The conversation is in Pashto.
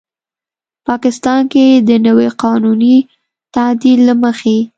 پاکستان کې د نوي قانوني تعدیل له مخې